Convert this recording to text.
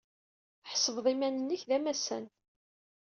Tḥesbeḍ iman-nnek d amassan.